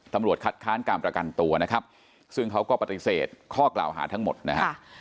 คัดค้านการประกันตัวนะครับซึ่งเขาก็ปฏิเสธข้อกล่าวหาทั้งหมดนะฮะ